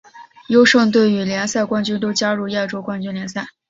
优胜队与联赛冠军都加入亚洲冠军联赛。